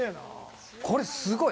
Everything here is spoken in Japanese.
これ、すごい。